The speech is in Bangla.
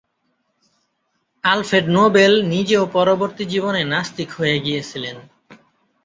আলফ্রেড নোবেল নিজেও পরবর্তী জীবনে নাস্তিক হয়ে গিয়েছিলেন।